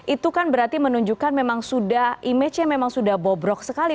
itu kan berarti menunjukkan memang sudah image nya memang sudah bobrok sekali